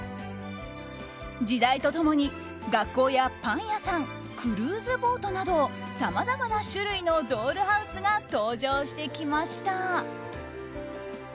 時代と共に、学校やパン屋さんクルーズボートなどさまざまな種類のドールハウスが登場してきました。